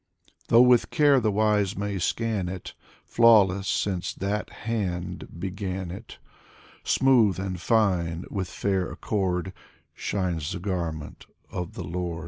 Though with care the wise may scan it, Flawless since that Hand began it. Smooth and fine with fair accord — Shines the garment of the Lord !^ Tr.